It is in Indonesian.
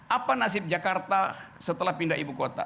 apa nasib jakarta setelah pindah ibu kota